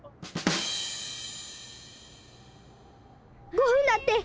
５分だって。